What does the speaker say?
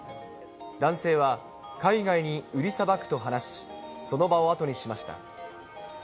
男性は海外に売りさばくと話し、その場を後にしました。